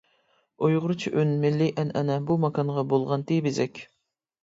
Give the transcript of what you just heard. ئۇيغۇرچە ئۈن، مىللىي ئەنئەنە، بۇ ماكانغا بولغانتى بېزەك.